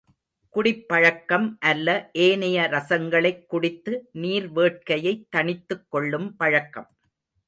குடிப்பழக்கம் அல்ல ஏனைய ரசங்களைக் குடித்து நீர் வேட்கையைத் தணித்துக் கொள்ளும் பழக்கம்.